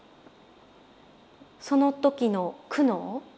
その時の苦悩。